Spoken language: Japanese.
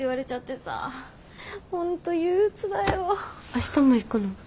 明日も行くの？